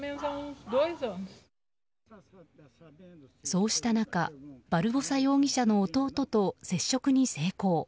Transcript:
そうした中バルボサ容疑者の弟と接触に成功。